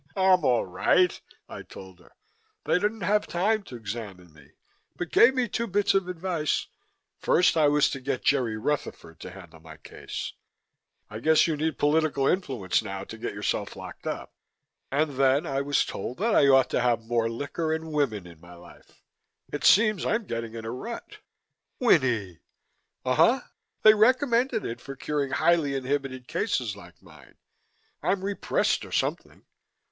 "I'm all right," I told her. "They didn't have time to examine me but gave me two bits of advice. First, I was to get Jerry Rutherford to handle my case. I guess you need political influence now to get yourself locked up. And then, I was told that I ought to have more licker and wimmin in my life. It seems I'm getting in a rut." "Winnie!" "Uh huh! They recommended it for curing highly inhibited cases like mine. I'm repressed or something."